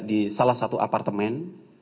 di salah satu apartemen